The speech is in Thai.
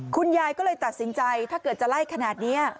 คุณยายก็เลยตัดสินใจถ้าเกิดจะไล่ขนาดนี้